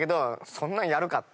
そんなんやるかって。